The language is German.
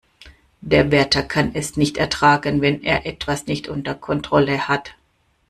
Der Wärter kann es nicht ertragen, wenn er etwas nicht unter Kontrolle hat.